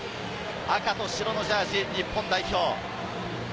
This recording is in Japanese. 赤と白のジャージー、日本代表。